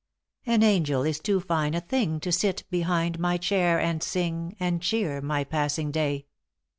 * An angel is too fine a thing To sit behind my chair and sing And cheer my passing day.